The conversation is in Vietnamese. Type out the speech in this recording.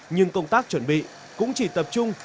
nhưng công tác chuẩn bị cũng chỉ tập trung